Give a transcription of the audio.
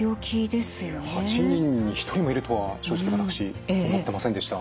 ８人に１人もいるとは正直私思ってませんでした。